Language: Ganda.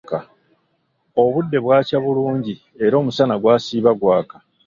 Obudde bwakya bulungi era omusana gwasiiba gwaka.